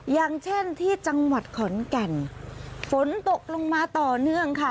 อย่างเช่นที่จังหวัดขอนแก่นฝนตกลงมาต่อเนื่องค่ะ